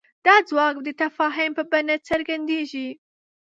دا ځواک د تفاهم په بڼه څرګندېږي.